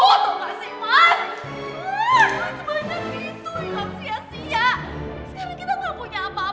bagaimana sih itu yang sia sia